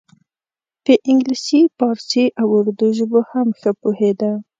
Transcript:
په انګلیسي پارسي او اردو ژبو هم ښه پوهیده.